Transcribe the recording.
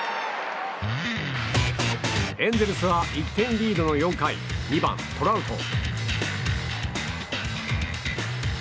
エンゼルスは１点リードの４回２番、トラウト。